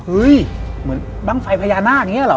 เหมือนบ้างไฟพญานาคอย่างนี้เหรอ